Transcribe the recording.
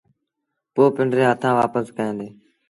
پو پنڊري هٿآݩ وآپس ڪيآݩدي۔